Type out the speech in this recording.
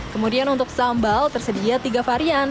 kemudian untuk sambal tersedia tiga varian